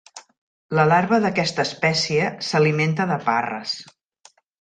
La larva d'aquesta espècie s'alimenta de parres.